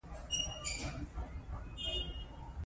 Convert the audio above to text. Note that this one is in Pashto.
ساده عبارت هغه دئ، چي یوه یا دوې خپلواکي کلیمې راسي.